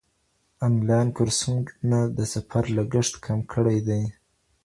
انلاين کورسونه د سفر لګښت کم کړی دی.